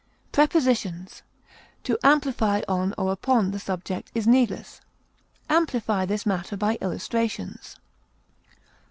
Prepositions: To amplify on or upon the subject is needless. Amplify this matter by illustrations.